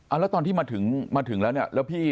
แล้วตอนที่มาถึงมาถึงแล้วเนี่ยแล้วพี่